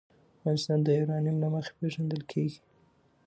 افغانستان د یورانیم له مخې پېژندل کېږي.